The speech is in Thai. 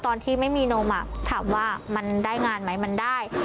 ตอนที่ไม่มีนมถามว่ามันได้งานไหมมันได้